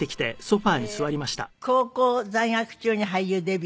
高校在学中に俳優デビュー。